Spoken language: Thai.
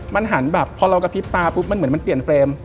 มันหันแบบพอเรากระพริบตาปุ๊บมันเหมือนมันเปลี่ยนเฟรม